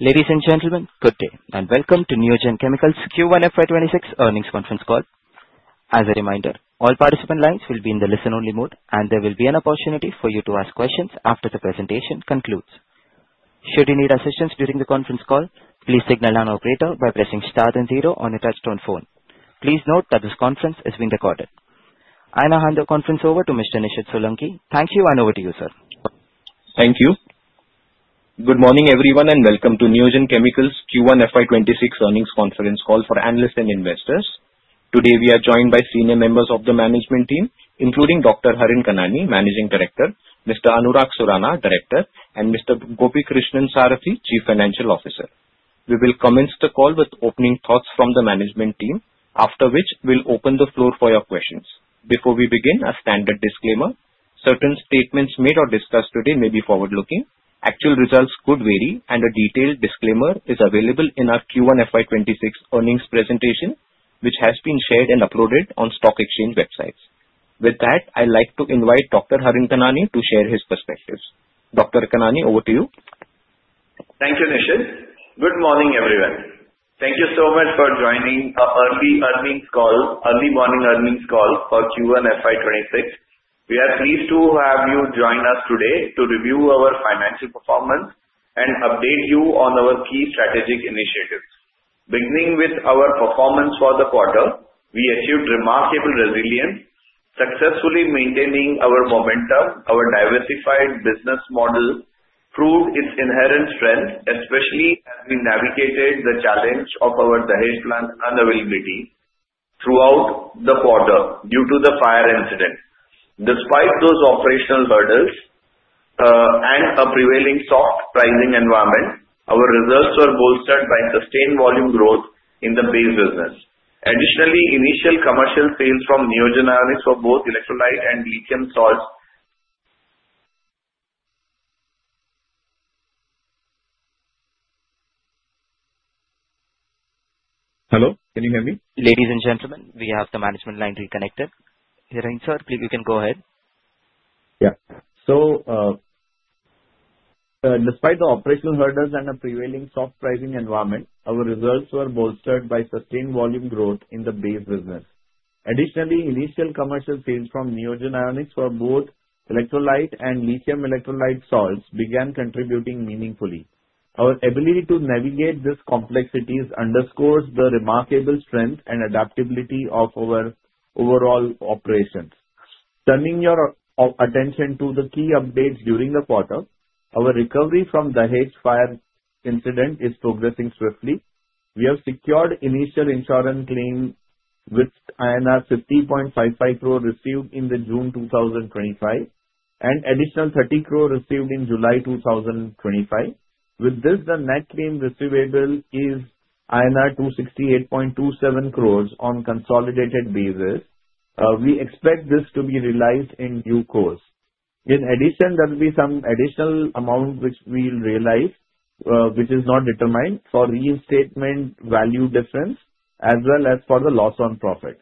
Ladies and gentlemen, good day, and welcome to Neogen Chemicals' Q1 FY26 earnings conference call. As a reminder, all participant lines will be in the listen-only mode, and there will be an opportunity for you to ask questions after the presentation concludes. Should you need assistance during the conference call, please signal an operator by pressing star and zero on your touchtone phone. Please note that this conference is being recorded. I now hand the conference over to Mr. Nishid Solanki. Thank you, and over to you, sir. Thank you. Good morning, everyone, and welcome to Neogen Chemicals' Q1 FY26 earnings conference call for analysts and investors. Today, we are joined by senior members of the management team, including Dr. Harin Kanani, Managing Director, Mr. Anurag Surana, Director, and Mr. Gopikrishnan Sarathy, Chief Financial Officer. We will commence the call with opening thoughts from the management team, after which we'll open the floor for your questions. Before we begin, a standard disclaimer: certain statements made or discussed today may be forward-looking, actual results could vary, and a detailed disclaimer is available in our Q1 FY26 earnings presentation, which has been shared and uploaded on stock exchange websites. With that, I'd like to invite Dr. Harin Kanani to share his perspective. Dr. Kanani, over to you. Thank you, Nishid. Good morning, everyone. Thank you so much for joining our early call, early morning earnings call for Q1 FY26. We are pleased to have you join us today to review our financial performance and update you on our key strategic initiatives. Beginning with our performance for the quarter, we achieved remarkable resilience, successfully maintaining our momentum. Our diversified business model proved its inherent strength, especially as we navigated the challenge of our Dahej unavailability throughout the quarter due to the fire incident. Despite those operational hurdles and a prevailing soft pricing environment, our reserves were bolstered by sustained volume growth in the base business. Additionally, initial commercial sales from Neogen Ionics were both electrolyte and lithium sourced. Hello, can you hear me? Ladies and gentlemen, we have the management line reconnected. Here I am, sir. Please, you can go ahead. Yeah. Despite the operational hurdles and a prevailing soft pricing environment, our reserves were bolstered by sustained volume growth in the base business. Additionally, initial commercial sales from Neogen Ionics were both electrolyte and lithium electrolyte sourced, which began contributing meaningfully. Our ability to navigate these complexities underscores the remarkable strength and adaptability of our overall operations. Turning your attention to the key updates during the quarter, our recovery from the Dahej fire incident is progressing swiftly. We have secured initial insurance claims with INR 50.55 crore received in June 2025 and an additional 30 crore received in July 2025. With this, the net claim receivable is INR 268.27 crore on a consolidated basis. We expect this to be realized in due course. In addition, there will be some additional amount which we'll realize, which is not determined, for reinstatement value difference, as well as for the loss on profit.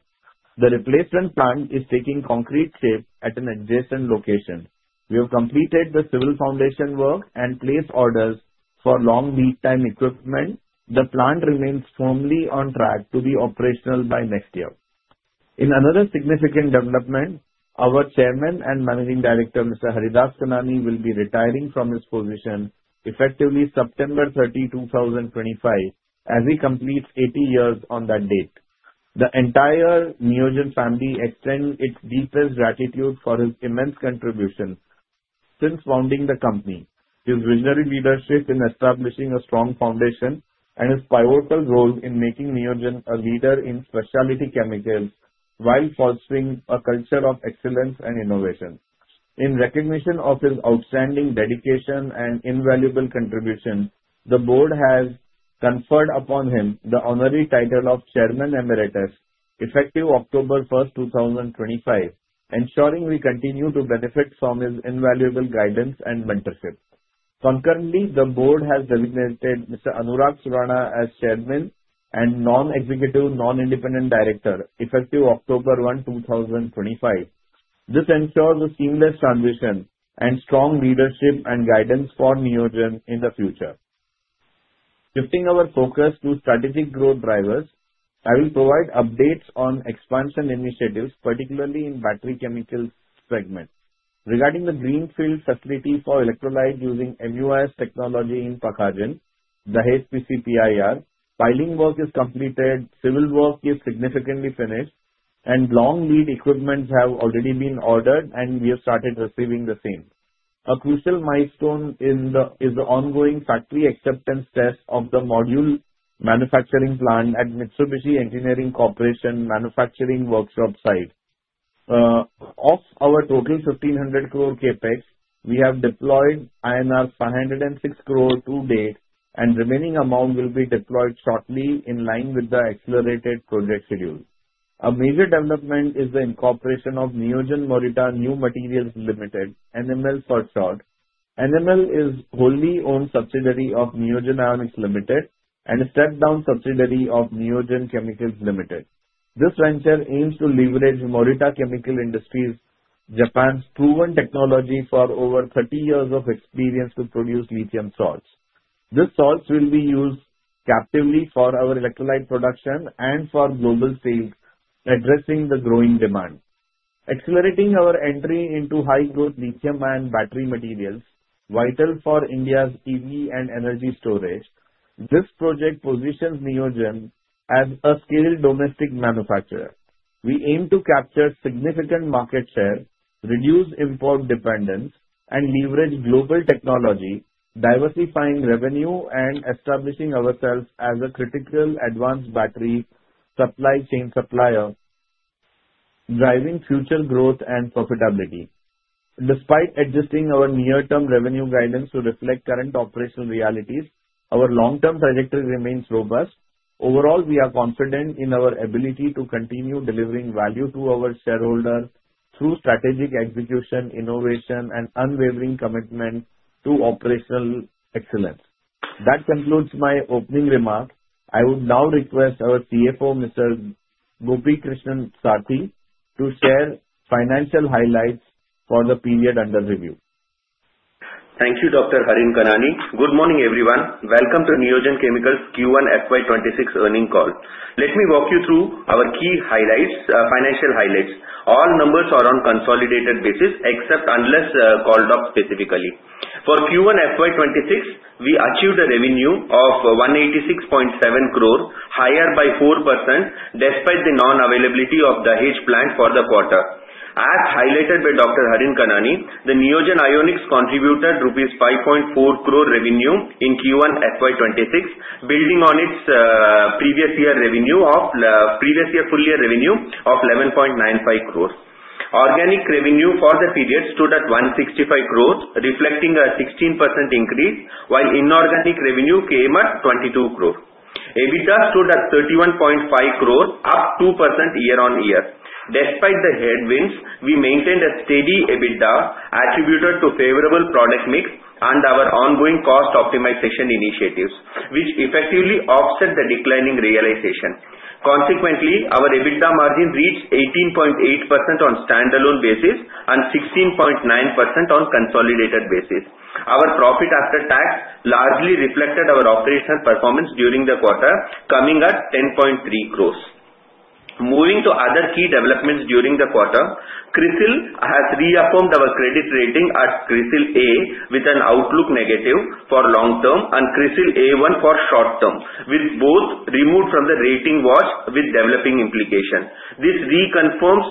The replacement plant is taking concrete shape at an adjacent location. We have completed the civil foundation work and placed orders for long lead-time equipment. The plant remains firmly on track to be operational by next year. In another significant development, our Chairman and Managing Director, Mr. Haridas Kanani, will be retiring from his position effective September 30, 2025, as he completes 80 years on that date. The entire Neogen family extends its deepest gratitude for his immense contribution since founding the company, his visionary leadership in establishing a strong foundation, and his pivotal role in making Neogen a leader in specialty chemicals while fostering a culture of excellence and innovation. In recognition of his outstanding dedication and invaluable contributions, the Board has conferred upon him the honorary title of Chairman Emeritus, effective October 1, 2025, ensuring we continue to benefit from his invaluable guidance and mentorship. Concurrently, the Board has designated Mr. Anurag Surana as Chairman and Non-Executive Non-Independent Director, effective October 1, 2025. This ensures a seamless transition and strong leadership and guidance for Neogen in the future. Shifting our focus to strategic growth drivers, I will provide updates on expansion initiatives, particularly in the battery chemicals segment. Regarding the Greenfield facility for electrolyte using MUIS technology in Pakhajan, Dahej PCPIR, piling work is completed, civil work is significantly finished, and long-lead equipment has already been ordered, and we have started receiving the same. A crucial milestone is the ongoing factory acceptance test of the module manufacturing plant at Mitsubishi Engineering Corporation manufacturing workshop site. Of our total 1,500 crore CapEx, we have deployed INR 506 crore to date, and the remaining amount will be deployed shortly in line with the accelerated project schedule. A major development is the incorporation of Neogen Morita New Materials Limited, NML for short. NML is a wholly-owned subsidiary of Neogen Ionics Limited and a step-down subsidiary of Neogen Chemicals Limited. This venture aims to leverage Morita Chemical Industries, Japan's proven technology for over 30 years of experience to produce lithium salts. These salts will be used captively for our electrolyte production and for global sales, addressing the growing demand. Accelerating our entry into high-growth lithium-ion battery materials, vital for India's EV and energy storage, this project positions Neogen as a scaled domestic manufacturer. We aim to capture significant market share, reduce import dependence, and leverage global technology, diversifying revenue and establishing ourselves as a critical advanced battery supply chain supplier, driving future growth and profitability. Despite adjusting our near-term revenue guidance to reflect current operational realities, our long-term trajectory remains robust. Overall, we are confident in our ability to continue delivering value to our shareholders through strategic execution, innovation, and unwavering commitment to operational excellence. That concludes my opening remarks. I would now request our CFO, Mr. Gopikrishnan Sarathy, to share financial highlights for the period under review. Thank you, Dr. Harin Kanani. Good morning, everyone. Welcome to Neogen Chemicals' Q1 FY2026 earnings call. Let me walk you through our key highlights, financial highlights. All numbers are on a consolidated basis unless called out specifically. For Q1 FY2026, we achieved a revenue of 186.7 crore, higher by 4% despite the non-availability of the Dahej plant for the quarter. As highlighted by Dr. Harin Kanani, Neogen Ionics contributed INR 5.4 crore revenue in Q1 FY2026, building on its previous year full-year revenue of 11.95 crore. Organic revenue for the period stood at 165 crore, reflecting a 16% increase, while inorganic revenue came at 22 crore. EBITDA stood at 31.5 crore, up 2% year-on-year. Despite the headwinds, we maintained a steady EBITDA attributed to a favorable product mix and our ongoing cost optimization initiatives, which effectively offset the declining realization. Consequently, our EBITDA margin reached 18.8% on a standalone basis and 16.9% on a consolidated basis. Our profit after tax largely reflected our operational performance during the quarter, coming at 10.3 crore. Moving to other key developments during the quarter, CRISIL has reaffirmed our credit rating at CRISIL A with an outlook negative for long term and CRISIL A1 for short term, with both removed from the rating watch with developing implications. This reconfirms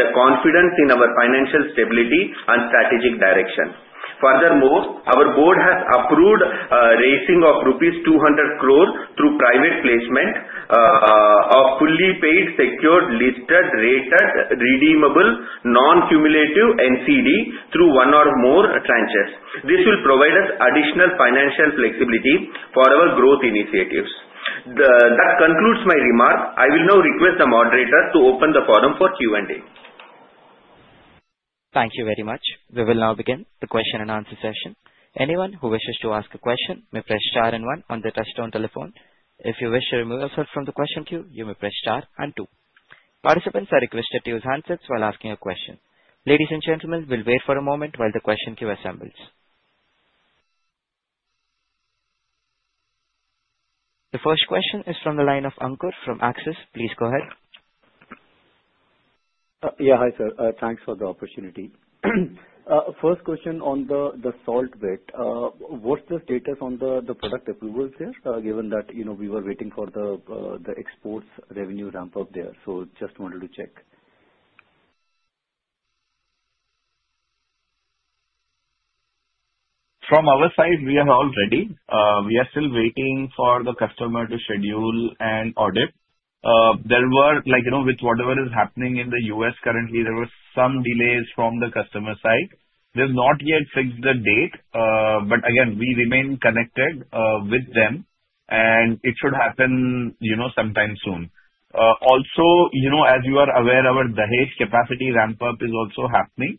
the confidence in our financial stability and strategic direction. Furthermore, our Board has approved a raising of rupees 200 crore through private placement of fully paid, secured, listed, rated, redeemable, non-cumulative NCD through one or more tranches. This will provide us additional financial flexibility for our growth initiatives. That concludes my remarks. I will now request our moderator to open the forum for Q&A. Thank you very much. We will now begin the question and answer session. Anyone who wishes to ask a question may press star and one on the touchtone telephone. If you wish to remove yourself from the question queue, you may press star and two. Participants are requested to use handsets while asking a question. Ladies and gentlemen, we'll wait for a moment while the question queue assembles. The first question is from the line of Ankur from Axis. Please go ahead. Yeah, hi, sir. Thanks for the opportunity. First question on the salt bit. What's the status on the product approvals there, given that, you know, we were waiting for the exports revenue ramp-up there? Just wanted to check. From our side, we are all ready. We are still waiting for the customer to schedule an audit. There were, like, you know, with whatever is happening in the U.S. currently, there were some delays from the customer side. They've not yet fixed the date. Again, we remain connected with them, and it should happen sometime soon. Also, as you are aware, our Dahej capacity ramp-up is also happening.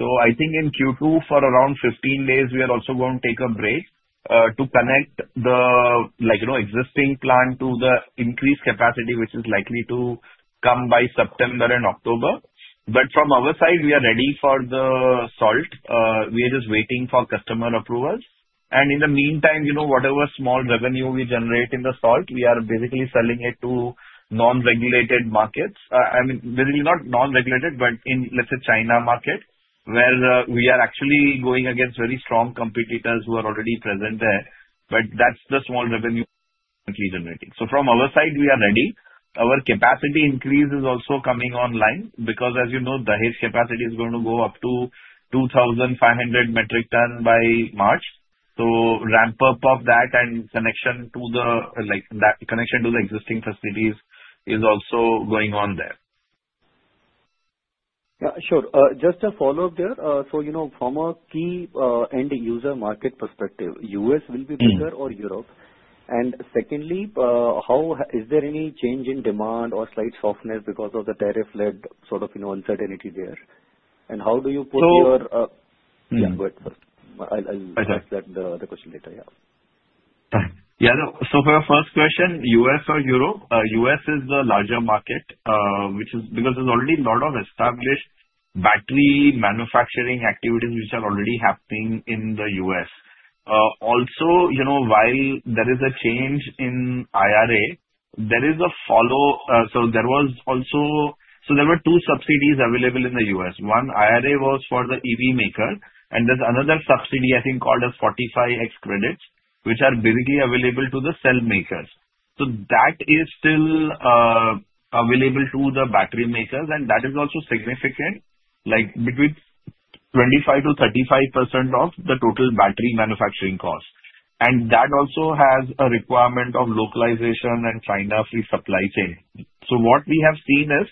I think in Q2, for around 15 days, we are also going to take a break to connect the existing plant to the increased capacity, which is likely to come by September and October. From our side, we are ready for the salt. We are just waiting for customer approvals. In the meantime, whatever small revenue we generate in the salt, we are basically selling it to non-regulated markets. I mean, really not non-regulated, but in, let's say, China market, where we are actually going against very strong competitors who are already present there. That's the small revenue we're generating. From our side, we are ready. Our capacity increase is also coming online because, as you know, Dahej capacity is going to go up to 2,500 metric tons by March. Ramp-up of that and connection to the existing facilities is also going on there. Sure. Just a follow-up there. From a key end-user market perspective, U.S. will be bigger or Europe? Secondly, is there any change in demand or site softness because of the tariff-led uncertainty there? How do you put your, yeah, go ahead first. I'll address that, the question later. Yeah. Yeah, so for a first question, U.S. or Europe? U.S. is the larger market, which is because there's already a lot of established battery manufacturing activities which are already happening in the U.S. Also, you know, while there is a change in IRA, there is a follow-up. There were two subsidies available in the U.S. One IRA was for the EV maker, and there's another subsidy, I think, called as 45X credits, which are basically available to the cell makers. That is still available to the battery makers, and that is also significant, like between 25%-35% of the total battery manufacturing cost. That also has a requirement of localization and sign-off in supply chain. What we have seen is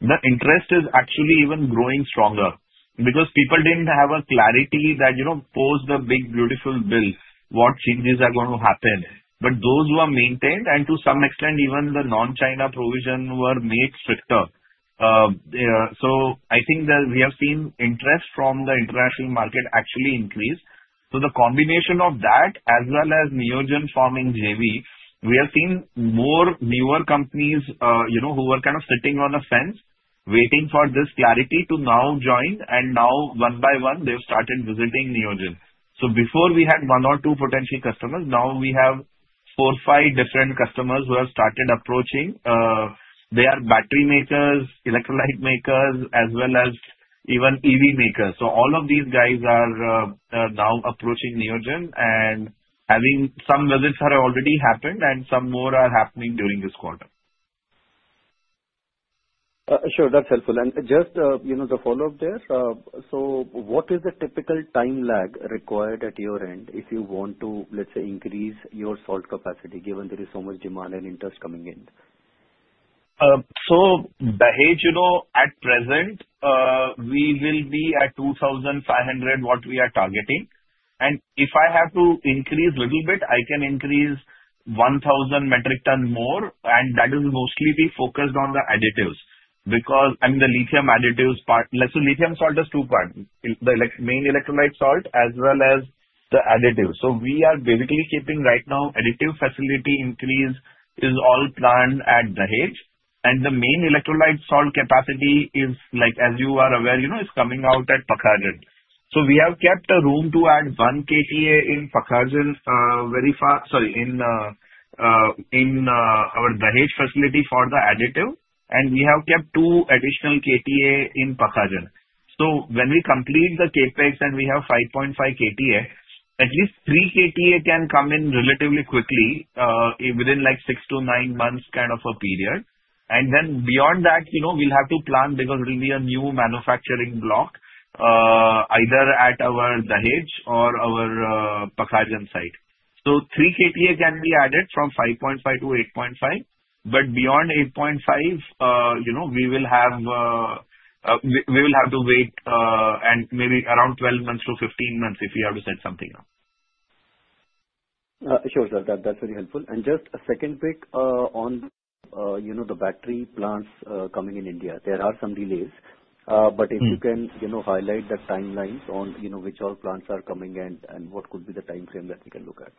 the interest is actually even growing stronger because people didn't have a clarity that, you know, post the Big Beautiful Bill, what changes are going to happen. Those who are maintained and to some extent, even the non-China provision were made stricter. I think that we have seen interest from the international market actually increase. The combination of that, as well as Neogen forming JV, we have seen more newer companies, you know, who were kind of sitting on a fence waiting for this clarity to now join, and now one by one, they've started visiting Neogen. Before we had one or two potential customers, now we have four or five different customers who have started approaching. They are battery makers, electrolyte makers, as well as even EV makers. All of these guys are now approaching Neogen and having some visits that have already happened and some more are happening during this quarter. Sure, that's helpful. Just to follow-up there, what is the typical time lag required at your end if you want to, let's say, increase your salt capacity given there is so much demand and interest coming in? At Dahej, you know, at present, we will be at 2,500 what we are targeting. If I have to increase a little bit, I can increase 1,000 metric tons more, and that will mostly be focused on the additives because, I mean, the lithium additives part, let's say, lithium salt is two parts: the main electrolyte salt, as well as the additives. We are basically keeping right now, additive facility increase is all planned at Dahej, and the main electrolyte salt capacity is, like, as you are aware, you know, it's coming out at Pakhajan. We have kept the room to add 1 KTA in Pakhajan, very far, sorry, in our Dahej facility for the additive, and we have kept two additional KTAs in Pakhajan. When we complete the CapEx and we have 5.5 KTAs, at least three KTAs can come in relatively quickly, within, like, six to nine months kind of a period. Beyond that, you know, we'll have to plan because we'll be a new manufacturing block, either at our Dahej or our Pakhajan site. Three KTAs can be added from 5.5-8.5, but beyond 8.5, you know, we will have to wait and maybe around 12 months-15 months if we have to set something up. Sure, sir. That's very helpful. Just a second quick on, you know, the battery plants coming in India. There are some delays, but if you can, you know, highlight the timelines on, you know, which all plants are coming in and what could be the timeframe that we can look at.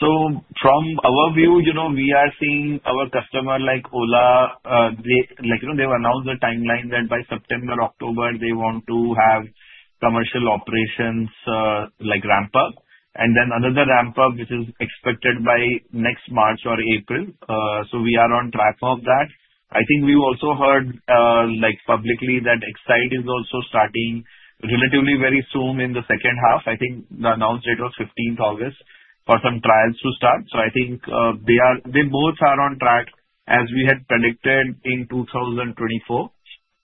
From our view, we are seeing our customer like Ola, like, you know, they've announced the timeline that by September, October, they want to have commercial operations, like, ramp up, and then another ramp up, which is expected by next March or April. We are on track for that. I think we also heard, like, publicly that Exide is also starting relatively very soon in the second half. I think the announced date was August 15 for some trials to start. I think they are, they both are on track as we had predicted in 2024.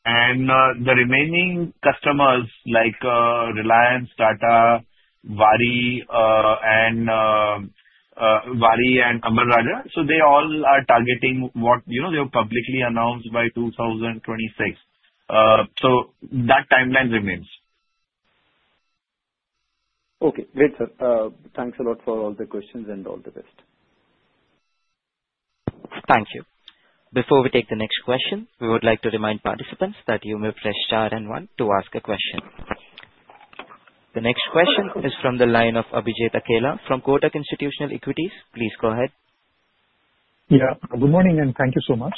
The remaining customers like Reliance, Tata, Waaree, and Amara Raja, they all are targeting what, you know, they were publicly announced by 2026. That timeline remains. Okay. Great, sir. Thanks a lot for all the questions and all the best. Thank you. Before we take the next question, we would like to remind participants that you may press star and one to ask a question. The next question is from the line of Abhijit Akella from Kotak Institutional Equities. Please go ahead. Good morning, and thank you so much.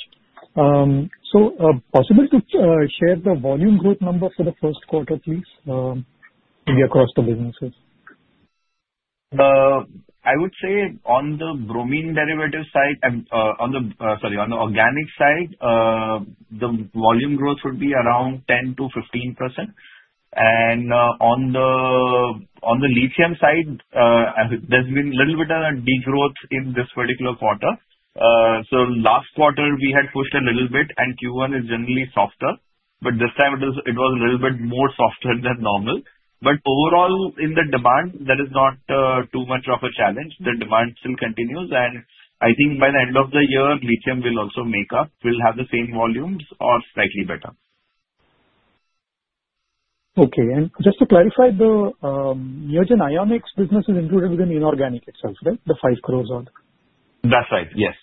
Is it possible to share the volume growth number for the first quarter, please, maybe across the businesses? I would say on the bromine derivative side, on the organic side, the volume growth would be around 10%-15%. On the lithium side, there's been a little bit of a degrowth in this particular quarter. Last quarter, we had pushed a little bit, and Q1 is generally softer, but this time it was a little bit more softer than normal. Overall, in the demand, there is not too much of a challenge. The demand still continues. I think by the end of the year, lithium will also make up, will have the same volumes or slightly better. Okay. Just to clarify, the Neogen Ionics business is included within inorganic itself, right? The 5 crore on. That's right. Yes.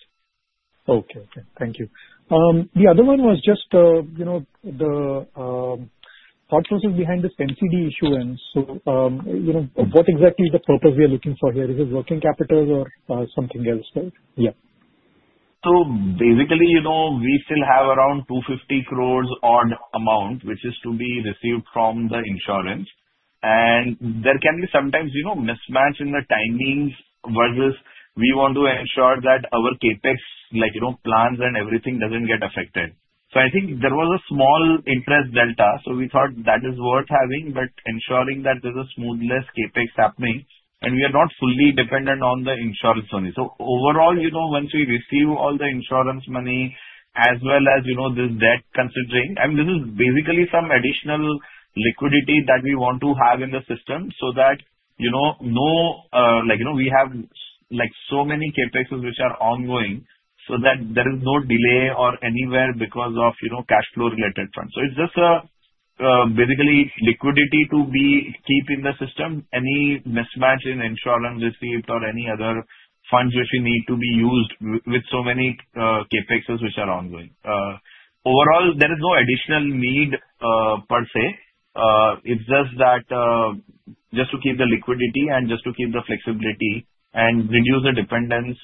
Okay. Thank you. The other one was just, you know, the thought process behind this NCD issue. What exactly is the purpose we are looking for here? Is it working capitals or something else there? Yeah. Basically, we still have around 250 crore on amount, which is to be received from the insurance. There can be sometimes mismatch in the timings where we want to ensure that our CapEx plans and everything doesn't get affected. I think there was a small interest delta. We thought that is worth having, but ensuring that there's a smoothness CapEx happening. We are not fully dependent on the insurance money. Overall, once we receive all the insurance money, as well as this debt considering, I mean, this is basically some additional liquidity that we want to have in the system so that, you know, we have so many CapExes which are ongoing so that there is no delay or anywhere because of cash flow-related funds. It's just basically liquidity to be keeping the system. Any mismatch in insurance receipts or any other funds which we need to be used with so many CapExes which are ongoing. Overall, there is no additional need, per se. It's just that, just to keep the liquidity and just to keep the flexibility and reduce the dependence,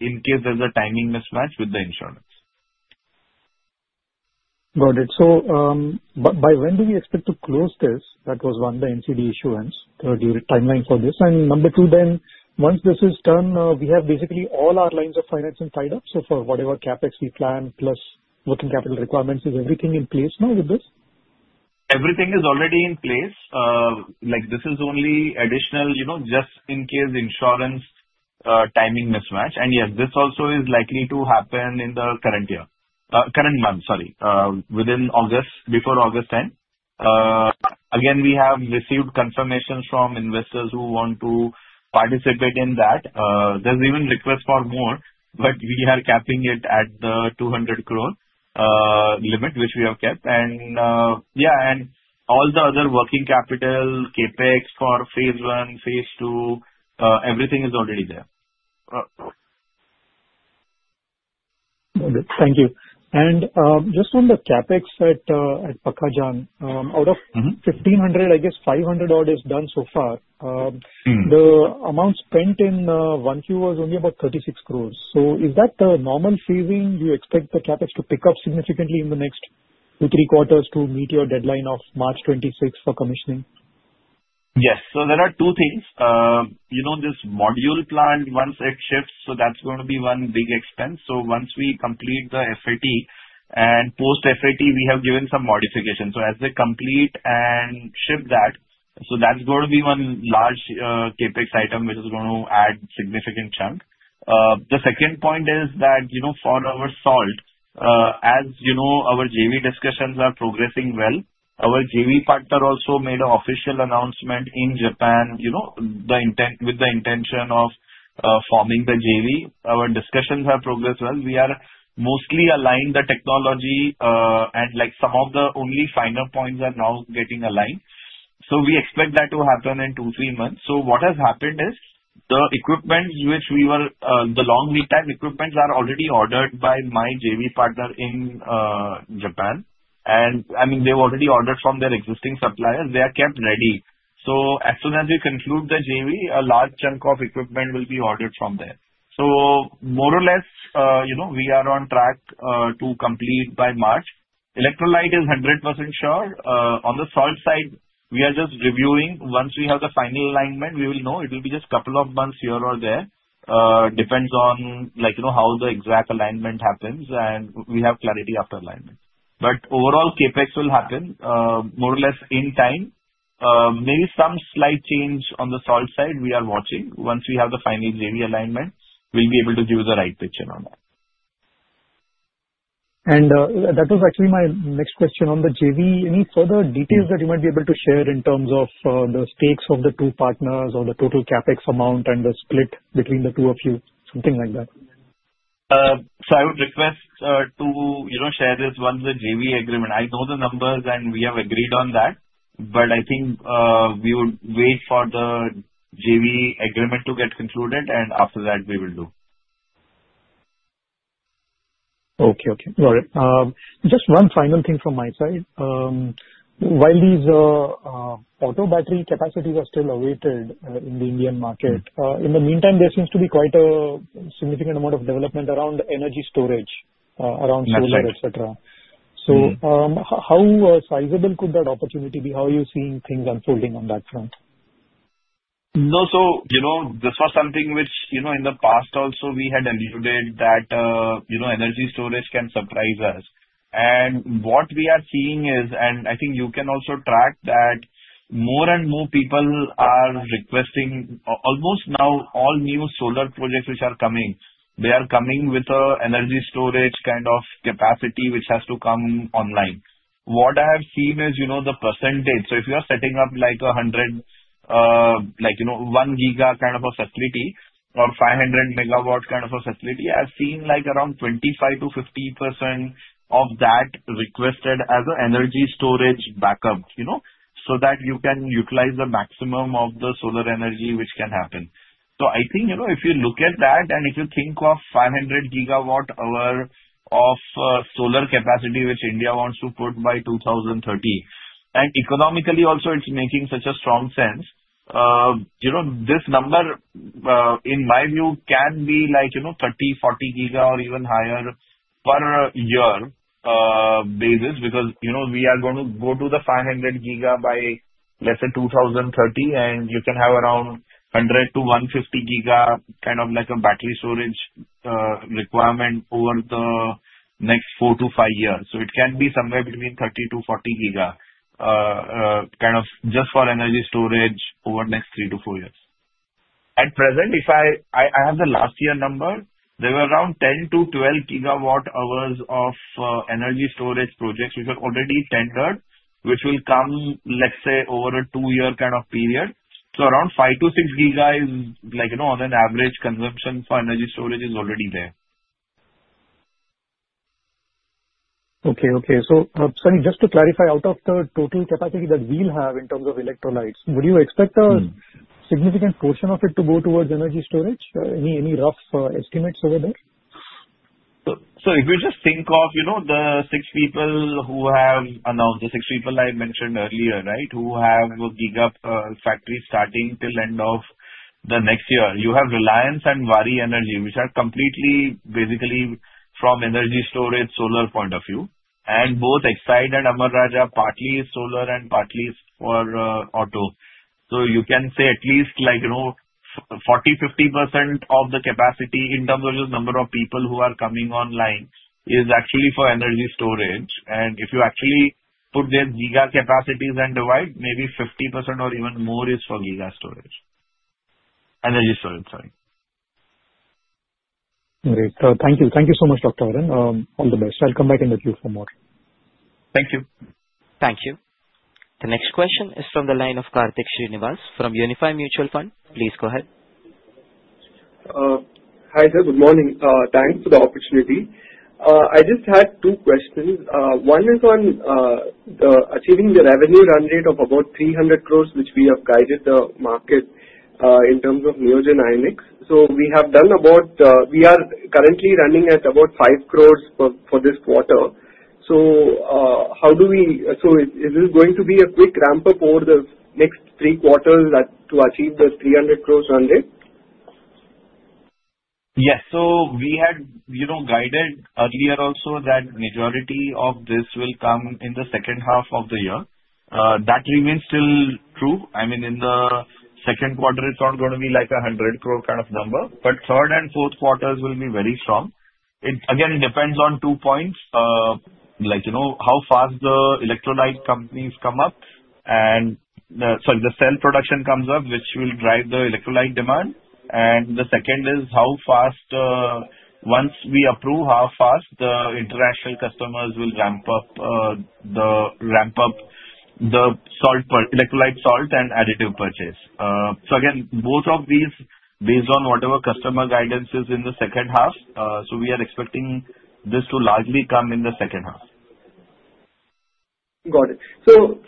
in case there's a timing mismatch with the insurance. Got it. By when do we expect to close this? That was one, the NCD issuance timeline for this. Number two, once this is done, we have basically all our lines of financing tied up. For whatever CapEx we plan, plus working capital requirements, is everything in place now with this? Everything is already in place. This is only additional, you know, just in case insurance, timing mismatch. Yes, this also is likely to happen in the current year, current month, sorry, within August, before August 10. We have received confirmations from investors who want to participate in that. There's even requests for more, but we are capping it at the 200 crore limit, which we have kept. All the other working capital, CapEx for phase one, phase two, everything is already there. Got it. Thank you. Just on the CapEx at Dahej, out of 1,500 million, I guess 500-odd is done so far. The amount spent in one quarter was only about 360 million. Is that the normal phasing? Do you expect the CapEx to pick up significantly in the next two, three quarters to meet your deadline of March 2026 for commissioning? Yes. There are two things. You know, this module plan, once it shifts, that's going to be one big expense. Once we complete the FAT and post-FAT, we have given some modifications. As they complete and ship that, that's going to be one large CapEx item, which is going to add a significant chunk. The second point is that, you know, for our salt, as you know, our JV discussions are progressing well. Our JV partner also made an official announcement in Japan, you know, with the intention of forming the JV. Our discussions are progressing well. We are mostly aligned on the technology, and some of the only finer points are now getting aligned. We expect that to happen in two, three months. What has happened is the equipment which we were, the long lead-time equipment is already ordered by my JV partner in Japan. I mean, they've already ordered from their existing suppliers. They are kept ready. As soon as we conclude the JV, a large chunk of equipment will be ordered from there. More or less, you know, we are on track to complete by March. Electrolyte is 100% sure. On the salt side, we are just reviewing. Once we have the final alignment, we will know. It will be just a couple of months here or there. It depends on how the exact alignment happens, and we have clarity after alignment. Overall, CapEx will happen more or less in time. Maybe some slight change on the salt side we are watching. Once we have the final JV alignment, we'll be able to give the right picture on it. That was actually my next question. On the JV, any further details that you might be able to share in terms of the stakes of the two partners or the total CapEx amount and the split between the two of you, something like that? I would request to, you know, share this one, the JV agreement. I know the numbers, and we have agreed on that, but I think we would wait for the JV agreement to get concluded, and after that, we will do. Okay. Okay. Got it. Just one final thing from my side. While these auto battery capacities are still awaited in the Indian market, in the meantime, there seems to be quite a significant amount of development around energy storage, around solar, etc. How sizable could that opportunity be? How are you seeing things unfolding on that front? No. The first something which, in the past also we had envisioned, is that energy storage can surprise us. What we are seeing is, and I think you can also track that more and more people are requesting almost now all new solar projects which are coming, they are coming with an energy storage kind of capacity which has to come online. What I have seen is the percentage. If you are setting up like a 100, like, you know, one giga kind of a facility or 500 MW kind of a facility, I've seen around 25%-50% of that requested as an energy storage backup, so that you can utilize the maximum of the solar energy which can happen. I think if you look at that and if you think of 500 GW/hour of solar capacity which India wants to put by 2030, and economically also it's making such a strong sense, this number, in my view, can be like 30, 40 giga, or even higher per year, basis because we are going to go to the 500 giga by, let's say, 2030, and you can have around 100-150 giga kind of like a battery storage requirement over the next four to five years. It can be somewhere between 30-40 giga, kind of just for energy storage over the next three to four years. At present, if I have the last year number, there were around 10-12 GW/hours of energy storage projects which are already tendered, which will come, let's say, over a two-year kind of period. Around 5-6 giga is, on an average, consumption for energy storage is already there. Okay. Just to clarify, out of the total capacity that we'll have in terms of electrolytes, would you expect a significant portion of it to go towards energy storage? Any rough estimates over there? If you just think of the six people who have announced, the six people I mentioned earlier, right, who have gigafactories starting till the end of next year, you have Reliance and Waaree Energy, which are completely basically from an energy storage solar point of view. Both Exide and Amara Raja partly is solar and partly for auto. You can say at least like 40%-50% of the capacity in terms of the number of people who are coming online is actually for energy storage. If you actually put their giga capacities and divide, maybe 50% or even more is for giga storage, energy storage, sorry. Great. Thank you. Thank you so much, Dr. Harin. All the best. I'll come back and get you some more. Thank you. Thank you. The next question is from the line of Karthik Srinivas from Unified Mutual Fund. Please go ahead. Hi, sir. Good morning. Thanks for the opportunity. I just had two questions. One is on achieving the revenue run rate of about 300 crore, which we have guided the market in terms of Neogen Ionics. We are currently running at about 5 crore for this quarter. Is it going to be a quick ramp-up over the next three quarters to achieve this 300 crore run rate? Yes. We had guided earlier also that the majority of this will come in the second half of the year. That remains still true. In the second quarter, it's not going to be like a 100 crore kind of number, but third and fourth quarters will be very strong. It again depends on two points: how fast the electrolyte companies come up and, sorry, the cell production comes up, which will drive the electrolyte demand. The second is how fast, once we approve, the international customers will ramp up the salt purchase, electrolyte salt and additive purchase. Both of these are based on whatever customer guidance is in the second half. We are expecting this to largely come in the second half.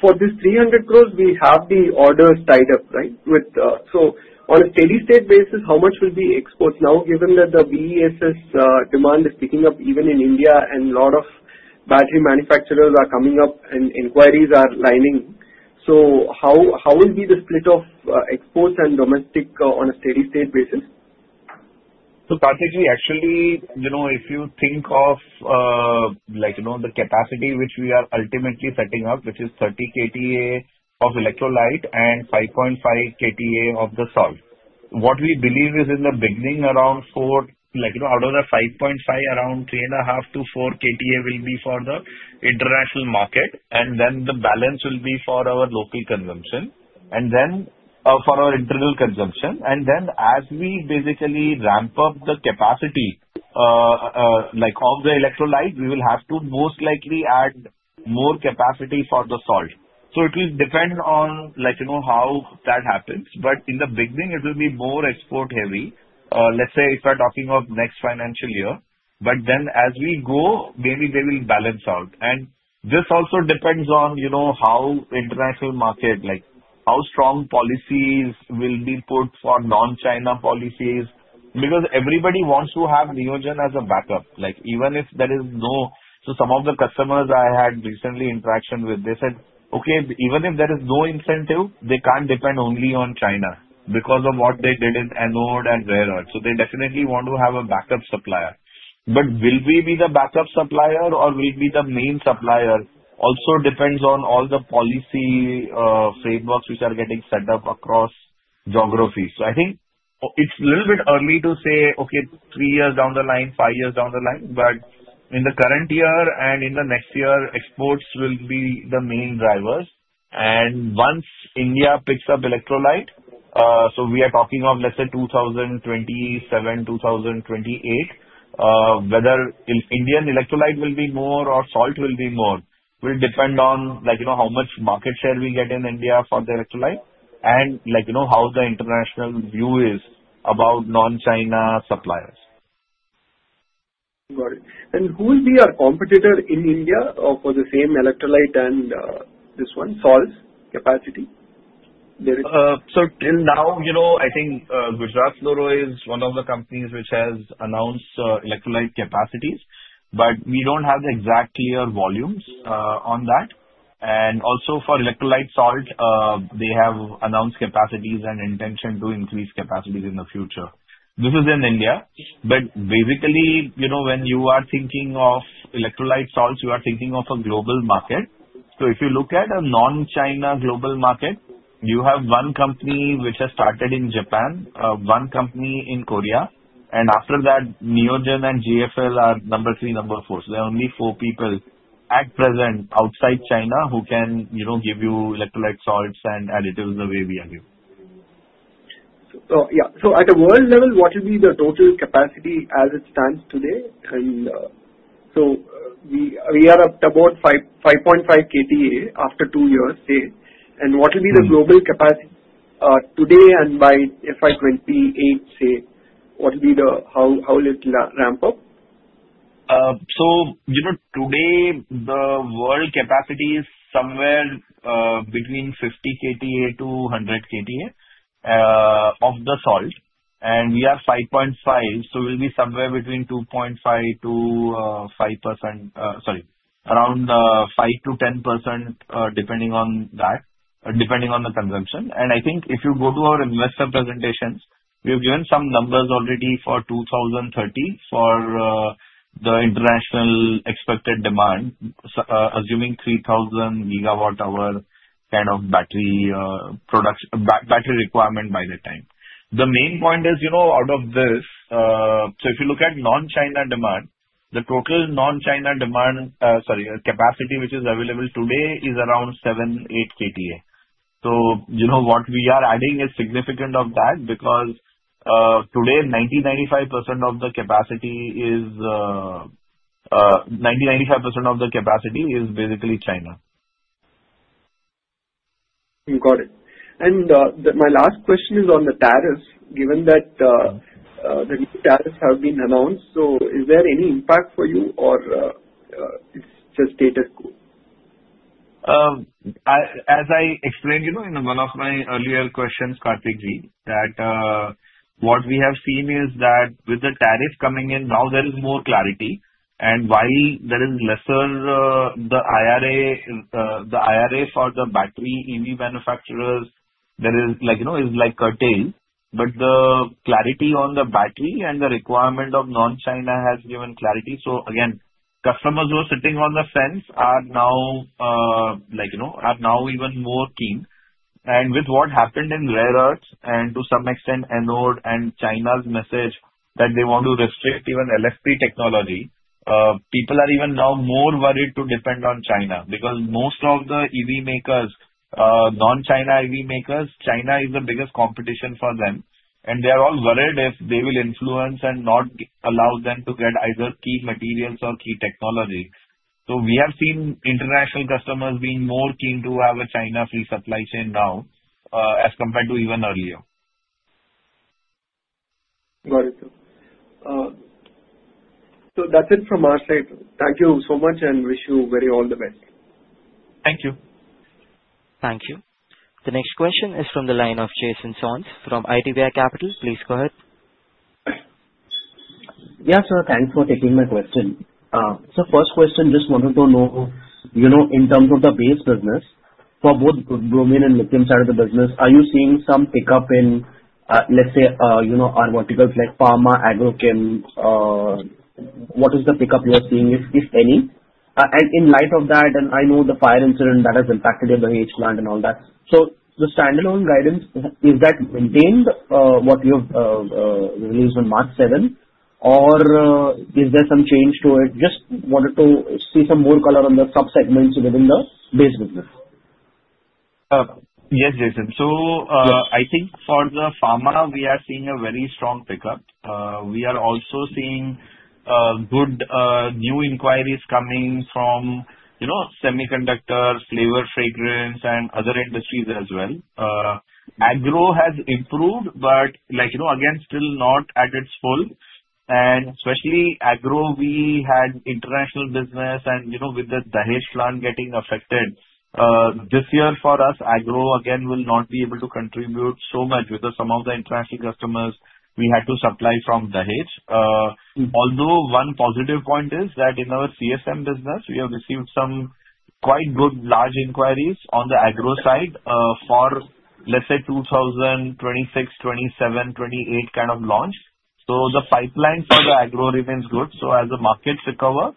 For this 300 crore, we have the orders tied up, right? On a steady-state basis, how much will be exports now, given that the BESS demand is picking up even in India and a lot of battery manufacturers are coming up and inquiries are lining? How will be the split of exports and domestic on a steady-state basis? Karthikji, if you think of the capacity which we are ultimately setting up, which is 30 KTA of electrolyte and 5.5 KTA of the salt, what we believe is in the beginning, out of that 5.5, around 3.5-4 KTA will be for the international market. The balance will be for our local consumption and for our internal consumption. As we ramp up the capacity of the electrolyte, we will most likely have to add more capacity for the salt. It will depend on how that happens. In the beginning, it will be more export heavy, if we're talking of next financial year. As we go, maybe they will balance out. This also depends on how international market policies will be put for non-China policies because everybody wants to have Neogen as a backup. Even if there is no incentive, some of the customers I had recent interaction with said they can't depend only on China because of what they did in Anode and Rare Earth. They definitely want to have a backup supplier. Whether we will be the backup supplier or the main supplier also depends on all the policy frameworks which are getting set up across geographies. I think it's a little bit early to say, three years down the line, five years down the line. In the current year and in the next year, exports will be the main drivers. Once India picks up electrolyte, we are talking of, let's say, 2027-2028, whether Indian electrolyte will be more or salt will be more will depend on how much market share we get in India for the electrolyte and how the international view is about non-China suppliers. Got it. Who will be our competitor in India for the same electrolyte and this one, salt capacity? Till now, I think Gujarat Fluorochemicals is one of the companies which has announced electrolyte capacities, but we don't have the exact clear volumes on that. Also, for electrolyte salt, they have announced capacities and intention to increase capacities in the future. This is in India. Basically, when you are thinking of electrolyte salts, you are thinking of a global market. If you look at a non-China global market, you have one company which has started in Japan, one company in Korea, and after that, Neogen and GFL are number three, number four. There are only four people at present outside China who can give you electrolyte salts and additives the way we are. At a world level, what will be the total capacity as it stands today? We are at about 5.5 KTA after two years, say. What will be the global capacity today? By FY2028, what will be the, how will it ramp up? Today, the world capacity is somewhere between 50 KTA to 100 KTA of the salt. We are 5.5, so we'll be somewhere between 5%-10%, depending on the consumption. If you go to our investor presentations, we've given some numbers already for 2030 for the international expected demand, assuming 3,000 GW/hour kind of battery production, battery requirement by that time. The main point is, out of this, if you look at non-China demand, the total non-China capacity which is available today is around 7-8 KTA. What we are adding is significant because today, 90%-95% of the capacity is basically China. Got it. My last question is on the tariffs, given that the tariffs have been announced. Is there any impact for you, or it's just stated? As I explained in one of my earlier questions, Karthikji, what we have seen is that with the tariff coming in now, there is more clarity. While there is lesser, the IRA for the battery EV manufacturers is curtailed. The clarity on the battery and the requirement of non-China has given clarity. Customers who are sitting on the fence are now even more keen. With what happened in Rare Earths and to some extent Anode and China's message that they want to restrict even LFP technology, people are now more worried to depend on China because most of the EV makers, non-China EV makers, China is the biggest competition for them. They are all worried if they will influence and not allow them to get either key materials or key technology. We have seen international customers being more keen to have a China-first supply chain now as compared to even earlier. That's it from our side. Thank you so much, and wish you all the very best. Thank you. Thank you. The next question is from the line of Jason Soans from IDBI Capital. Please go ahead. Yeah, sir. Thanks for taking my question. First question, just wanted to know, in terms of the base business for both bromine and lithium side of the business, are you seeing some pickup in, let's say, our verticals like Pharma, Agrochem, what is the pickup you're seeing, if any? In light of that, and I know the fire incident that has impacted the Dahej plant and all that, the standalone guidance, is that maintained what you have released on March 7, or is there some change to it? Just wanted to see some more color on the sub-segments within the base business. Yes, Jason. I think for the pharma, we are seeing a very strong pickup. We are also seeing good new inquiries coming from, you know, semiconductors, flavor, fragrance, and other industries as well. Agro has improved, but, you know, again, still not at its full. Especially Agro, we had international business and, you know, with the Dahej plant getting affected. This year for us, Agro, again, will not be able to contribute so much because some of the international customers we had to supply from Dahej. Although one positive point is that in our CSM business, we have received some quite good large inquiries on the Agro side for, let's say, 2026, 2027, 2028 kind of launch. The pipelines for the Agro region is good. As the markets recover,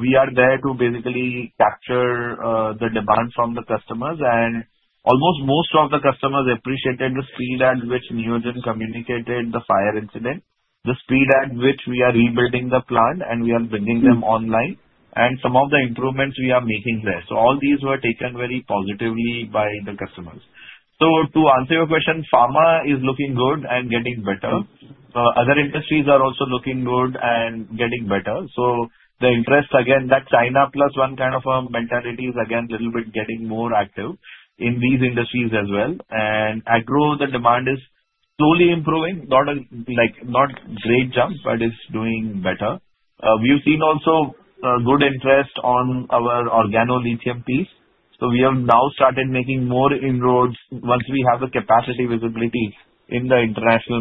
we are there to basically capture the demand from the customers. Almost most of the customers appreciated the speed at which Neogen communicated the fire incident, the speed at which we are rebuilding the plant, and we are bringing them online, and some of the improvements we are making there. All these were taken very positively by the customers. To answer your question, pharma is looking good and getting better. Other industries are also looking good and getting better. They're impressed, again, that China plus one kind of mentality is, again, a little bit getting more active in these industries as well. Agro, the demand is slowly improving, not, like, not great jumps, but it's doing better. We've seen also good interest on our organolithium piece. We have now started making more inroads once we have a capacity visibility in the international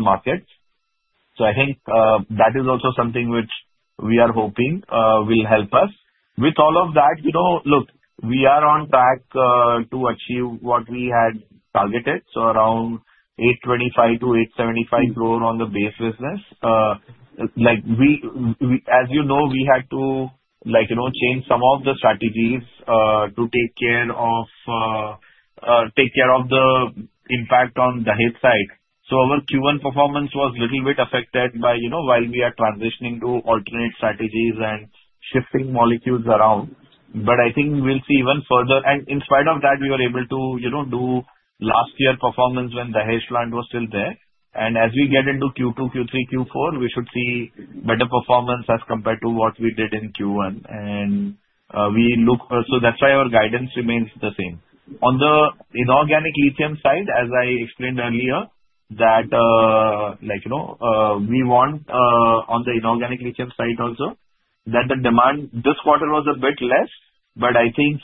market. I think that is also something which we are hoping will help us. With all of that, you know, look, we are on track to achieve what we had targeted. Around 825-875 crore on the base business. Like we, as you know, we had to, like, you know, change some of the strategies to take care of the impact on Dahej side. Our Q1 performance was a little bit affected by, you know, while we are transitioning to alternate strategies and shifting molecules around. I think we'll see even further. In spite of that, we were able to, you know, do last year's performance when Dahej plant was still there. As we get into Q2, Q3, Q4, we should see better performance as compared to what we did in Q1. That's why our guidance remains the same. On the inorganic lithium side, as I explained earlier, that, like, you know, we want on the inorganic lithium side also that the demand this quarter was a bit less. I think,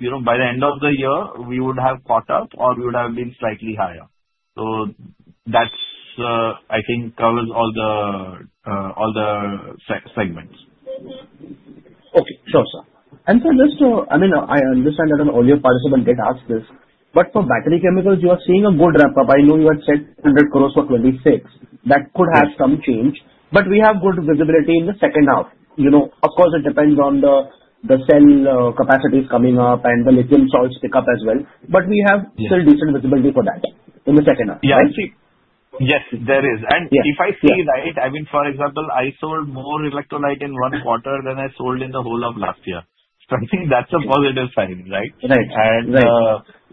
you know, by the end of the year, we would have caught up or we would have been slightly higher. That, I think, covers all the segments. Okay. Sir, just to, I mean, I understand that an earlier participant did ask this, but for battery chemicals, you are seeing a good ramp-up. I know you had said 100 crore for 2026. That could have some change, but we have good visibility in the second half. Of course, it depends on the cell capacities coming up and the lithium salts pick up as well. We have still decent visibility for that in the second half. Yes, there is. If I see right, I mean, for example, I sold more electrolyte in one quarter than I sold in the whole of last year. I think that's a positive sign, right? Right.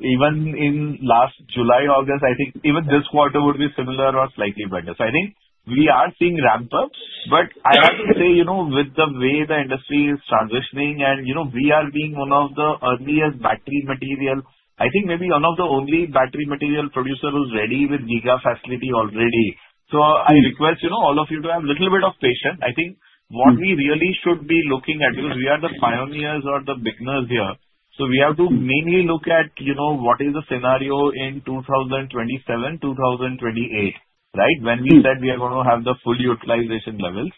Even in last July, August, I think even this quarter would be similar or slightly better. I think we are seeing ramp-up, but I have to say, with the way the industry is transitioning and we are being one of the earlier battery materials, I think maybe one of the only battery material producers ready with gigafacility already. I request all of you to have a little bit of patience. I think what we really should be looking at because we are the pioneers or the beginners here. We have to mainly look at what is the scenario in 2027-2028, right? When we said we are going to have the full utilization levels.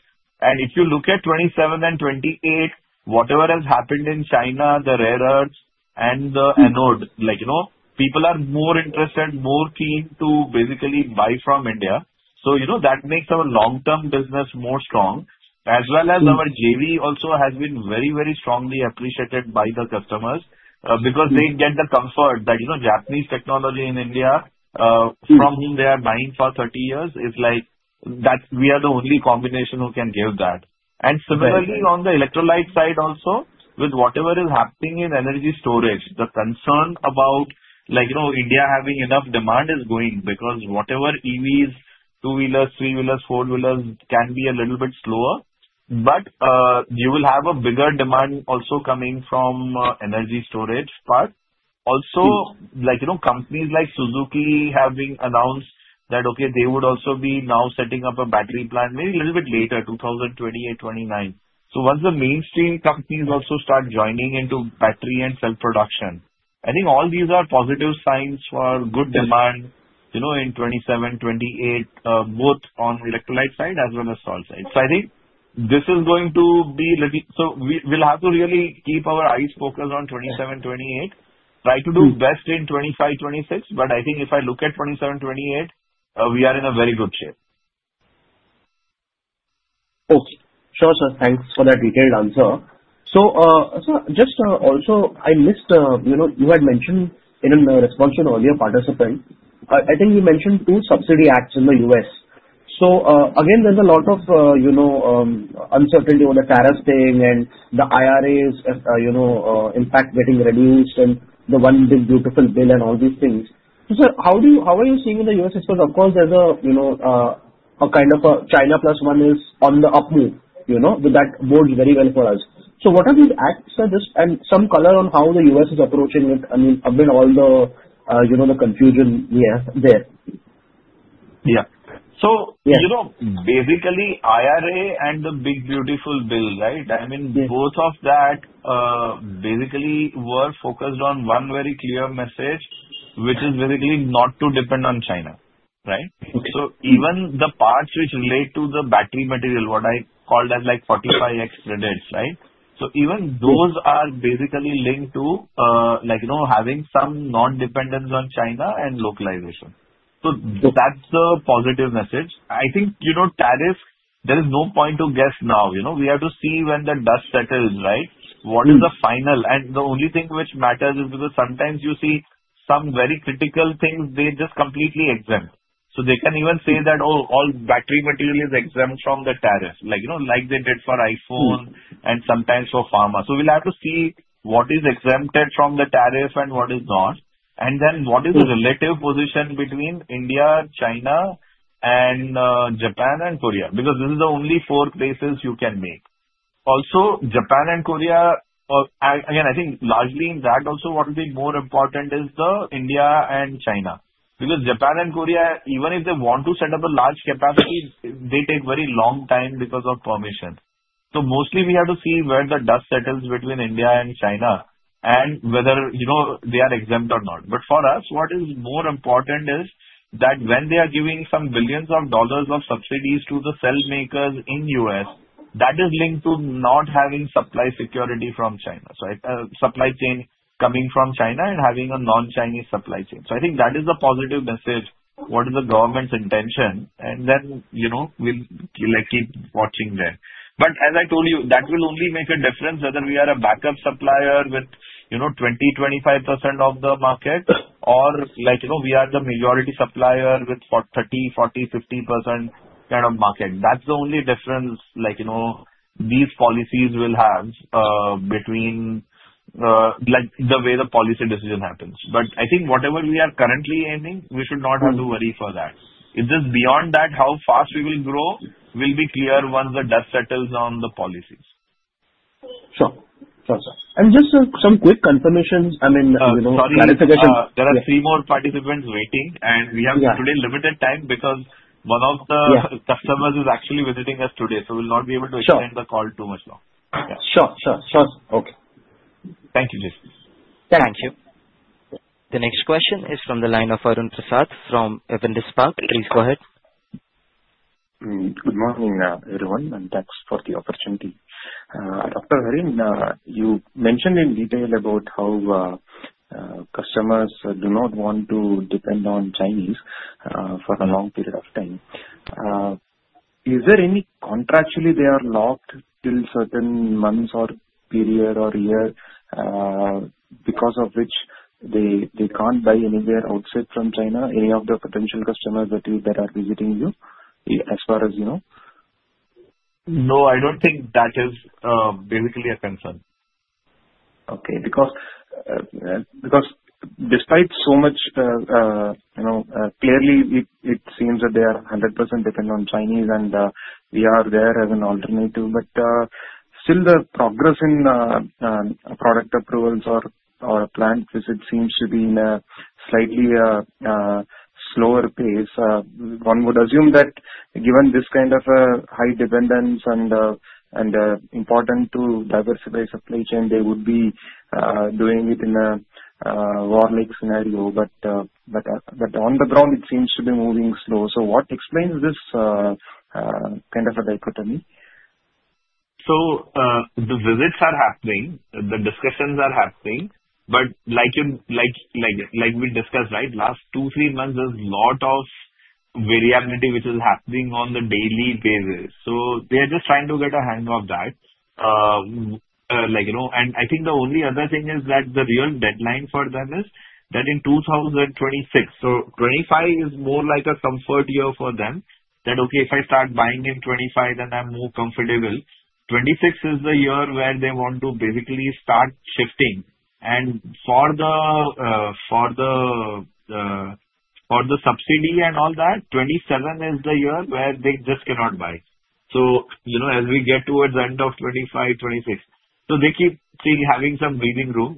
If you look at 2027 and 2028, whatever has happened in China, the rare earths and the anode, people are more interested, more keen to basically buy from India. That makes our long-term business more strong. As well as our JV also has been very, very strongly appreciated by the customers because they get the comfort that Japanese technology in India, from whom they are buying for 30 years, is like that we are the only combination who can give that. Similarly, on the electrolyte side also, with whatever is happening in energy storage, the concern about India having enough demand is going because whatever EVs, two-wheelers, three-wheelers, four-wheelers can be a little bit slower. You will have a bigger demand also coming from energy storage. Also, companies like Suzuki having announced that they would also be now setting up a battery plant maybe a little bit later, 2028-2029. Once the mainstream companies also start joining into battery and cell production, I think all these are positive signs for good demand in 2027-2028, both on the electrolyte side as well as the salt side. I think this is going to be, let me, we will have to really keep our eyes focused on 2027-2028, try to do best in 2025-2026. If I look at 2027-2028, we are in a very good shape. Okay. Sure, sir. Thanks for that detailed answer. Sir, just also, I missed, you had mentioned in the response to an earlier participant, I think you mentioned two subsidy acts in the U.S. There's a lot of uncertainty on the tariff thing and the IRA's impact getting reduced and the one Big Beautiful Bill and all these things. Sir, how are you seeing in the U.S.? Because of course, there's a kind of a China plus one is on the upward, that bodes very well for us. What are the acts, sir, just and some color on how the U.S. is approaching it? I mean, amid all the confusion there. Yeah. Basically, IRA and the Big Beautiful Bill, right? I mean, both of that basically were focused on one very clear message, which is basically not to depend on China, right? Even the parts which relate to the battery material, what I called as like 45X credits, right? Even those are basically linked to, like, you know, having some non-dependence on China and localization. That's the positive message. I think, you know, tariff, there is no point to guess now. We have to see when that dust settles, right? What is the final? The only thing which matters is because sometimes you see some very critical things, they're just completely exempt. They can even say that, oh, all battery material is exempt from the tariff, like, you know, like they did for iPhone and sometimes for pharma. We'll have to see what is exempted from the tariff and what is not. Then what is the relative position between India, China, and Japan and Korea? Because this is the only four places you can make. Also, Japan and Korea, or again, I think largely in that, also what would be more important is the India and China. Because Japan and Korea, even if they want to set up a large capacity, they take a very long time because of permission. Mostly we have to see where the dust settles between India and China and whether, you know, they are exempt or not. For us, what is more important is that when they are giving some billions of dollars of subsidies to the cell makers in the U.S., that is linked to not having supply security from China. A supply chain coming from China and having a non-Chinese supply chain. I think that is the positive message, what is the government's intention. We'll keep watching there. As I told you, that will only make a difference whether we are a backup supplier with, you know, 20, 25% of the market or, like, you know, we are the majority supplier with 30, 40, 50% kind of market. That's the only difference, like, you know, these policies will have, between, like the way the policy decision happens. I think whatever we are currently aiming, we should not have to worry for that. It's just beyond that how fast we will grow will be clear once the dust settles on the policies. Sure. Just some quick confirmation. I mean, you know, clarification. There are three more participants waiting, and we have today limited time because one of the customers is actually visiting us today. We'll not be able to extend the call too much longer. Sure, sure. Okay. Thank you, Jason. Thank you. The next question is from the line of Arun Prasad from Avendus Spark. Please go ahead. Good morning, everyone, and thanks for the opportunity. Dr. Harin, you mentioned in detail about how customers do not want to depend on Chinese for a long period of time. Is there any contractually, they are locked till certain months or period or year because of which they can't buy anywhere outside from China, any of the potential customers that are visiting you, as far as you know? No, I don't think that is basically a concern. Okay. Because despite so much, you know, clearly it seems that they are 100% dependent on Chinese, and we are there as an alternative. Still, the progress in product approvals or a plant visit seems to be at a slightly slower pace. One would assume that given this kind of high dependence and the importance to diversify supply chain, they would be doing it in a warlike scenario. On the ground, it seems to be moving slow. What explains this kind of a dichotomy? The visits are happening. The discussions are happening. Like we discussed, right, last two, three months, there's a lot of variability which is happening on a daily basis. They are just trying to get a handle of that. I think the only other thing is that the real deadline for them is in 2026. 2025 is more like a comfort year for them, that, okay, if I start buying in 2025, then I'm more comfortable. 2026 is the year where they want to basically start shifting. For the subsidy and all that, 2027 is the year where they just cannot buy. As we get towards the end of 2025-2026, they keep still having some breathing room.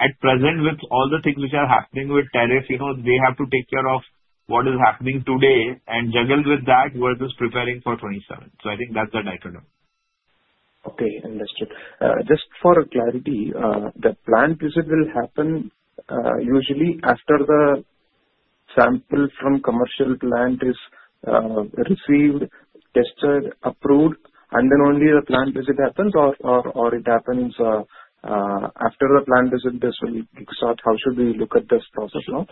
At present, with all the things which are happening with tariffs, they have to take care of what is happening today and juggle with that versus preparing for 2027. I think that's a dichotomy. Okay. Understood. Just for clarity, the plant visit will happen usually after the sample from commercial plant is received, tested, approved, and then only the plant visit happens, or it happens after the plant visit is fully sort. How should we look at this process now?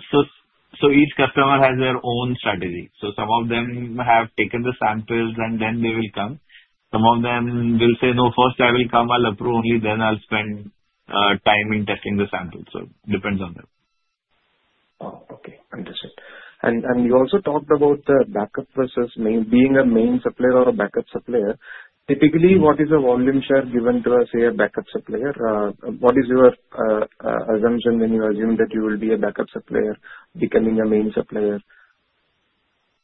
Each customer has their own strategy. Some of them have taken the samples, and then they will come. Some of them will say, no, first I will come, I'll approve only, then I'll spend time in testing the samples. It depends on them. Okay. Understood. You also talked about the backup process being a main supplier or a backup supplier. Typically, what is the volume share given to a, say, a backup supplier? What is your assumption when you assume that you will be a backup supplier becoming a main supplier?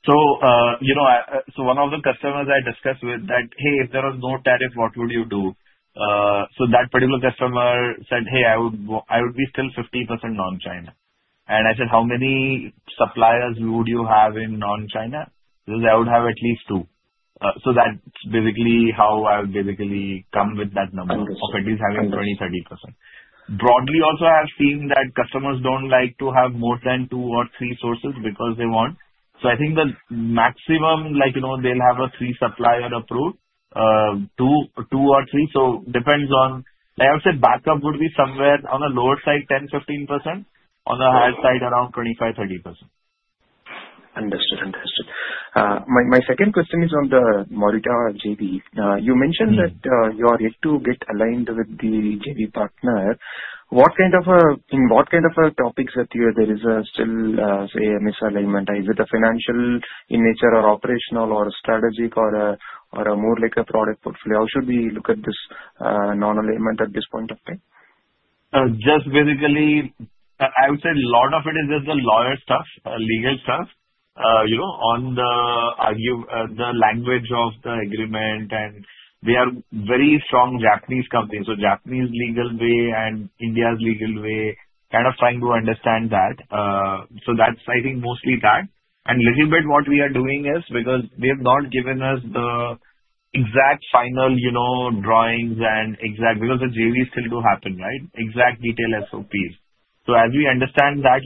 One of the customers I discussed with said, hey, if there was no tariff, what would you do? That particular customer said, hey, I would be still 50% non-China. I said, how many suppliers would you have in non-China? He says, I would have at least two. That's basically how I've come with that number of at least having 20%-30%. Broadly, also, I have seen that customers don't like to have more than two or three sources because they want. I think the maximum, like, they'll have a three supplier approved, two or three. It depends on, I would say, backup would be somewhere on the lower side, 10%-15%, on the higher side, around 25%-30%. Understood. My second question is on the Morita JV. You mentioned that you are yet to get aligned with the JV partner. What kind of, in what kind of topics that you are, there is still, say, a misalignment? Is it financial in nature or operational or strategic or more like a product portfolio? How should we look at this non-alignment at this point of time? Basically, I would say a lot of it is just the lawyer stuff, legal stuff, you know, on the language of the agreement. They are very strong Japanese companies, so Japanese legal way and India's legal way, kind of trying to understand that. I think mostly that. Legitimate, what we are doing is because they have not given us the exact final, you know, drawings and exact, because the JV is still to happen, right, exact detail SOPs. As we understand that,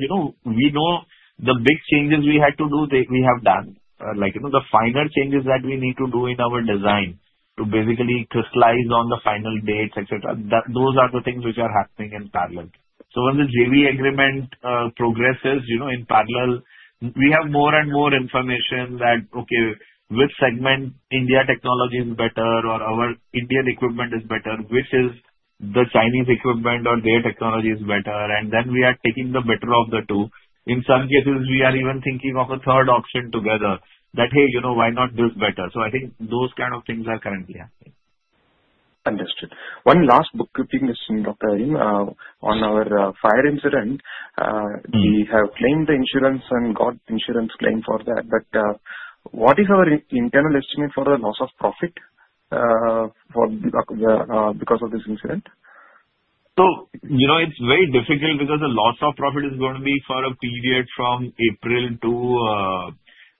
we know the big changes we had to do, we have done, like the finer changes that we need to do in our design to basically crystallize on the final dates, etc. Those are the things which are happening in parallel. When the JV agreement progresses, in parallel, we have more and more information that, okay, which segment India technology is better or our Indian equipment is better, which is the Chinese equipment or their technology is better. We are taking the better of the two. In some cases, we are even thinking of a third option together that, hey, you know, why not do better? I think those kind of things are currently happening. Understood. One last bookkeeping issue, Dr. Harin, on our fire incident. We have claimed the insurance and got insurance claim for that. What is our internal estimate for the loss of profit because of this incident? It's very difficult because the loss of profit is going to be for a period from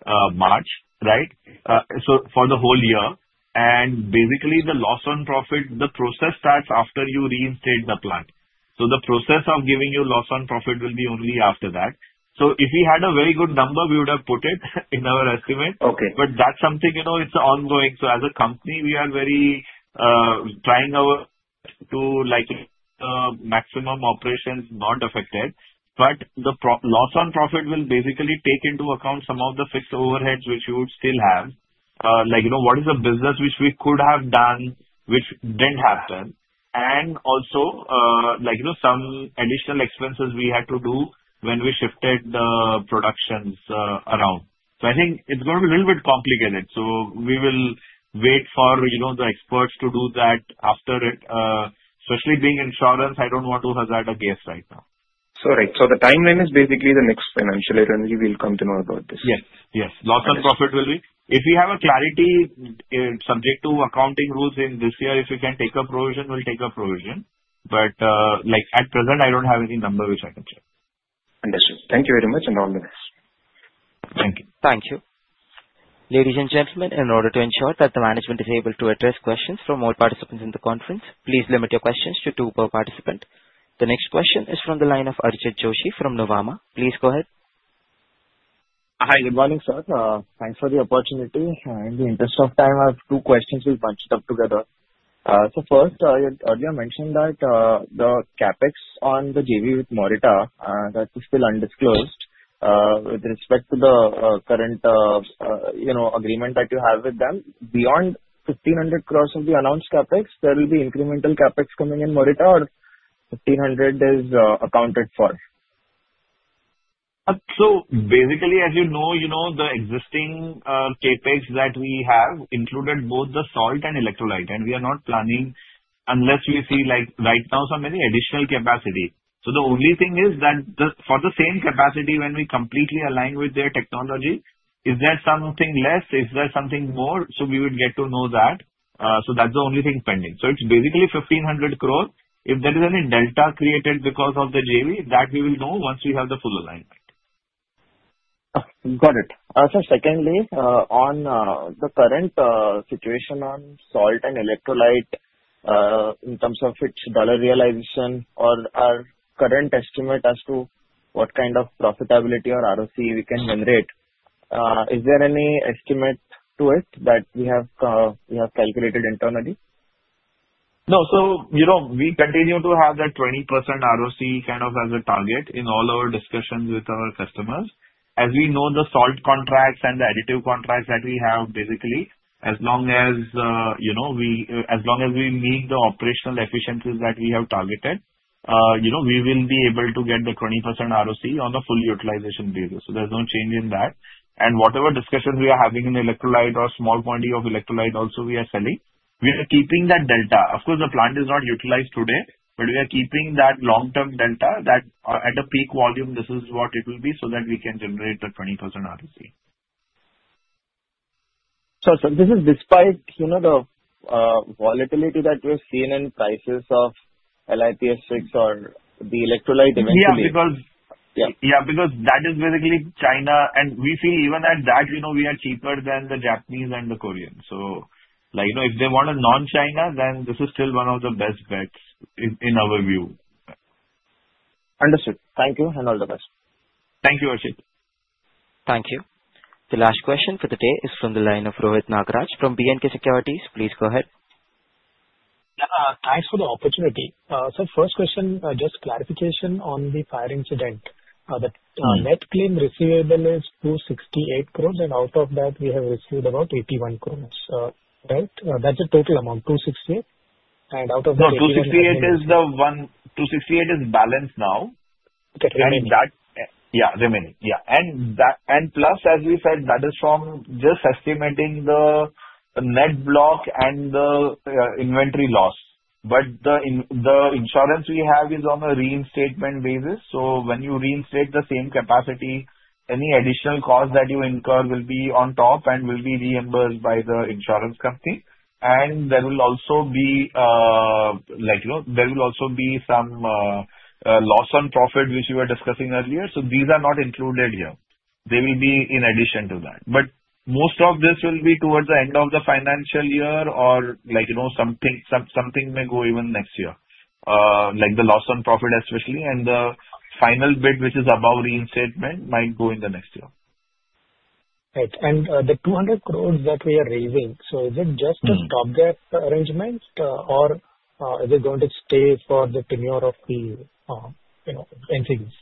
April-March, right? For the whole year. Basically, the loss on profit, the process starts after you reinstalled the plant. The process of giving you loss on profit will be only after that. If we had a very good number, we would have put it in our estimate. That's something, you know, it's ongoing. As a company, we are trying to, like, make sure maximum operations are not affected. The loss on profit will basically take into account some of the fixed overheads which you would still have, like what is the business which we could have done which didn't happen, and also some additional expenses we had to do when we shifted the productions around. I think it's going to be a little bit complicated. We will wait for the experts to do that after it. Especially being insurance, I don't want to hazard a guess right now. The timeline is basically the next financial year only. We'll come to know about this. Yes. Yes. Loss on profit will be. If we have a clarity subject to accounting rules in this year, if we can take a provision, we'll take a provision. At present, I don't have any number which I can share. Thank you very much, and all the best. Thank you. Thank you. Ladies and gentlemen, in order to ensure that the management is able to address questions from all participants in the conference, please limit your questions to two per participant. The next question is from the line of Archit Joshi from Nuvama. Please go ahead. Hi. Good morning, sir. Thanks for the opportunity. In the interest of time, I have two questions. I'll bunch it up together. First, you had earlier mentioned that the CapEx on the JV with Morita, that is still undisclosed with respect to the current agreement that you have with them. Beyond 1,500 crore of the announced CapEx, will there be incremental CapEx coming in Morita or is INR 1,500 crore accounted for? As you know, the existing CapEx that we have included both the salt and electrolyte. We are not planning unless we see, like, right now so many additional capacity. The only thing is that for the same capacity, when we completely align with their technology, is there something less? Is there something more? We would get to know that. That's the only thing pending. It's basically 1,500 crores. If there is any delta created because of the JV, we will know once we have the full alignment. Got it. Secondly, on the current situation on salt and electrolyte in terms of its dollar realization or our current estimate as to what kind of profitability or ROCE we can generate, is there any estimate to it that you have calculated internally? No. We continue to have that 20% ROCE kind of as a target in all our discussions with our customers. As we know, the salt contracts and the additive contracts that we have, basically, as long as we meet the operational efficiencies that we have targeted, we will be able to get the 20% ROCE on the full utilization basis. There's no change in that. Whatever discussion we are having in the electrolyte or small quantity of electrolyte also we are selling, we are keeping that delta. Of course, the plant is not utilized today, but we are keeping that long-term delta that at the peak volume, this is what it will be so that we can generate the 20% ROCE. Sir, this is despite, you know, the volatility that we're seeing in prices of LiPF6 or the electrolyte eventually. Yeah, because that is basically China. We feel even at that, you know, we are cheaper than the Japanese and the Korean. If they want a non-China, then this is still one of the best bets in our view. Understood. Thank you and all the best. Thank you, Archit. Thank you. The last question for today is from the line of Rohit Nagraj from B&K Securities. Please go ahead. Thanks for the opportunity. Sir, first question, just clarification on the fire incident. That net claim receivable is 268 crore, and out of that, we have received about 81 crore. That's a total amount, 268 crore, and out of that. 268 is the one. 268 is balanced now. Okay. Yeah, remaining, yeah. As we said, that is from just estimating the net block and the inventory loss. The insurance we have is on a reinstatement basis. When you reinstate the same capacity, any additional cost that you incur will be on top and will be reimbursed by the insurance company. There will also be, like, you know, some loss on profit which we were discussing earlier. These are not included here. They will be in addition to that. Most of this will be towards the end of the financial year or, like, you know, something may go even next year, like the loss on profit especially. The final bit, which is about reinstatement, might go in the next year. Right. The 200 crore that we are raising, is it just a stopgap arrangement, or is it going to stay for the tenure of the NCDs?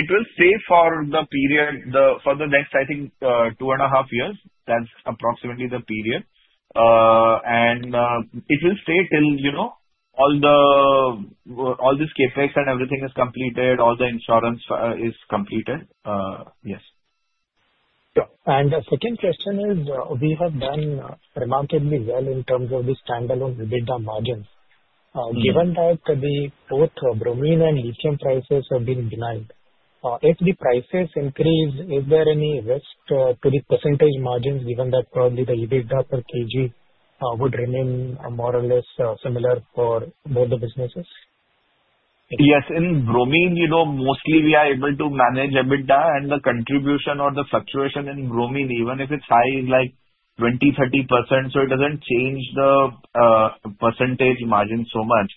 It will stay for the period, for the next, I think, two and a half years. That's approximately the period. It will stay till, you know, all this CapEx and everything is completed, all the insurance is completed. Yes. Sure. The second question is, we have done remarkably well in terms of the standalone EBITDA margins. Given that both bromine and lithium prices have been benign, if the prices increase, is there any risk to the % margins given that probably the EBITDA per-kg would remain more or less similar for both the businesses? Yes. In bromine, you know, mostly we are able to manage EBITDA and the contribution or the fluctuation in bromine, even if it's high, like 20%-30%. It doesn't change the percentage margin so much.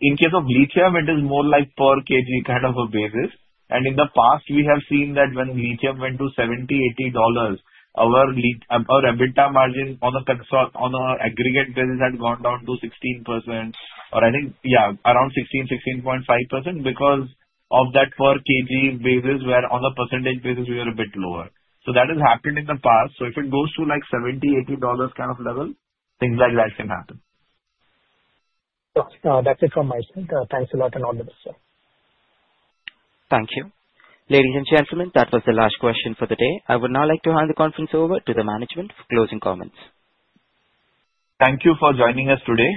In case of lithium, it is more like per kg kind of a basis. In the past, we have seen that when lithium went to $70-$80, our EBITDA margin on the aggregate basis had gone down to 16% or I think, yeah, around 16%, 16.5% because of that per kg basis where on the percentage basis we are a bit lower. That has happened in the past. If it goes to like $70-$80 kind of level, things like that can happen. That's it from my side. Thanks a lot and all the best, sir. Thank you. Ladies and gentlemen, that was the last question for the day. I would now like to hand the conference over to the management for closing comments. Thank you for joining us today.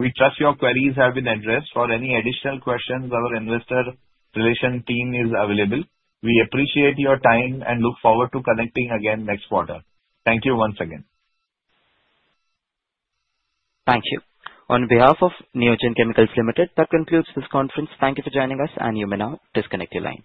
We trust your queries have been addressed. For any additional questions, our Investor Relations team is available. We appreciate your time and look forward to connecting again next quarter. Thank you once again. Thank you. On behalf of Neogen Chemicals Limited, that concludes this conference. Thank you for joining us and you may now disconnect your lines.